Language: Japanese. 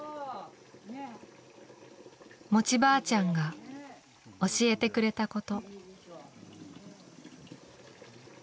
餅ばあちゃんが教えてくれたこと。